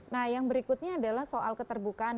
nah yang berikutnya adalah soal keterbukaan